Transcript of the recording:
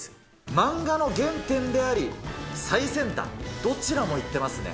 マンガの原点であり、最先端、どちらもいってますね。